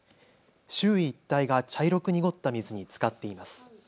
周囲一帯が茶色く濁った水につかっています。